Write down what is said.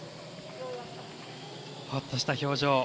ほっとした表情。